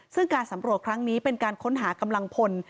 ซึ่งการสำรวจครั้งนี้เป็นการค้นหากำลังพล